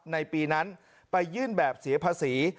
ในปีนั้นไปยื่นแบบเสียภาษี